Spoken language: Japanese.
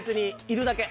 いるだけ？